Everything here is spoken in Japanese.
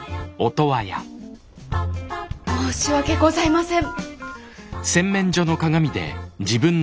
申し訳ございません。